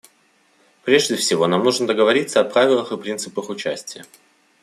Прежде всего, нам нужно договориться о правилах и принципах участия.